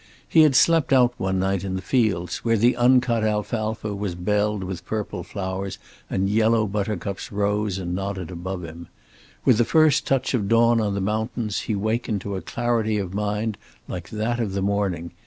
He had slept out one night in the fields, where the uncut alfalfa was belled with purple flowers and yellow buttercups rose and nodded above him. With the first touch of dawn on the mountains he wakened to a clarity of mind like that of the morning.